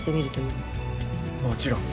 もちろん。